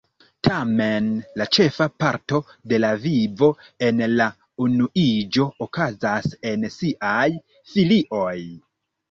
Tamen, la ĉefa parto de la vivo en la unuiĝo okazas en siaj filioj.